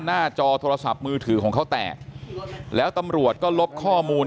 จอโทรศัพท์มือถือของเขาแตกแล้วตำรวจก็ลบข้อมูล